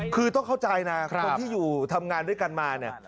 คือต้องเข้าใจนะคนที่อยู่ทำงานด้วยกันมาเนี่ย